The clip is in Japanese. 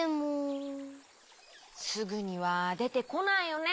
すぐにはでてこないよね